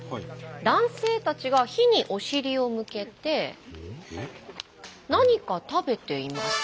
男性たちが火にお尻を向けて何か食べています。